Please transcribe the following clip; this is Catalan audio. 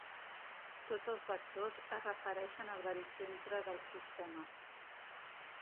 Tots els vectors es refereixen al baricentre del sistema.